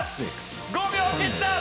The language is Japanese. ５秒を切った！